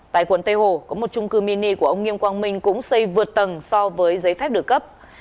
tại quận tây hồ có một trung cư mini của ông nghiêm quang minh cũng xây vượt tầng so với giấy phép được cấp